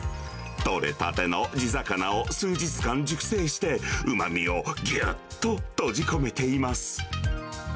取れたての地魚を数日間熟成して、うまみをぎゅっと閉じ込めています。